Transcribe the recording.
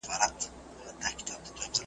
جعلي اکاډمیکې شبکې